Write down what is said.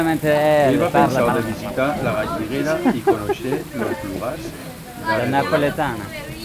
Heba pensau de visitar la Galliguera y conoixer los lugars d'a redolada.